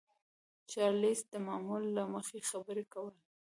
چارليس د معمول له مخې خبرې کولې.